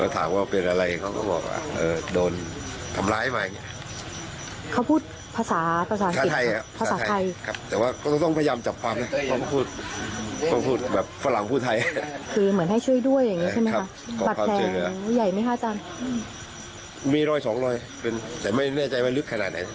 เห็นไหมคะอาจารย์มีรอยสองรอยเป็นแต่ไม่แน่ใจว่าลึกขนาดไหน